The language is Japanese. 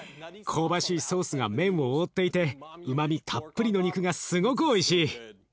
香ばしいソースが麺を覆っていてうまみたっぷりの肉がすごくおいしい。